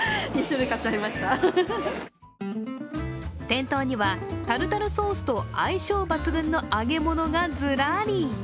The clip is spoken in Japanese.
店頭にはタルタルソースと相性抜群の揚げ物がずらり。